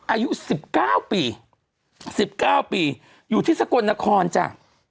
อายุ๑๙ปี๑๙ปีอยู่ที่สกลนครจ้ะ